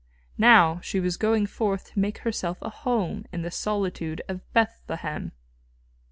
Now she was going forth to make herself a home in the solitude of Bethlehem.